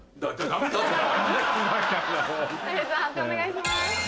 判定お願いします。